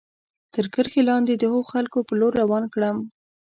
تر کرښې لاندې د هغو خلکو په لور روان کړم.